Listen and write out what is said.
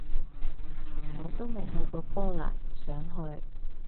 我都未去過波蘭，想去